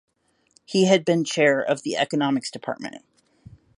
He had been Chair of the Economics Department.